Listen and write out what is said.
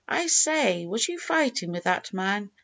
"I say, was you fightin' with that man?"